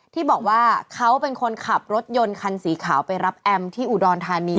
ที่บอกว่าเขาเป็นคนขับรถยนต์คันสีขาวไปรับแอมที่อุดรธานี